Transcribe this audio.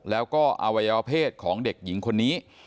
แล้วก็อวัยวเพศของเด็กหญิงคนนี้